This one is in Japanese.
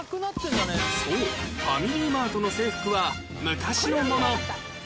そうファミリーマートの制服は昔のもの